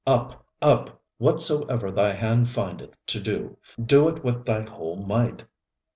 Up, up! whatsoever thy hand findeth to do, do it with thy whole might.